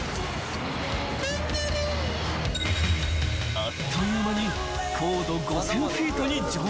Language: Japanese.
［あっという間に高度５，０００フィートに上昇］